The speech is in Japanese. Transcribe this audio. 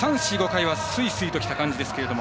３、４、５回はすいすいときた感じでしたけど